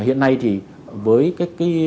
hiện nay thì với cái kinh nghiệm này